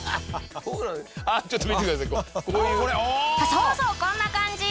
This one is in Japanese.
そうそうこんな感じ。